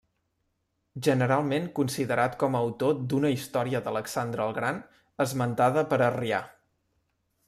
Generalment considerat com a autor d'una història d'Alexandre el Gran esmentada per Arrià.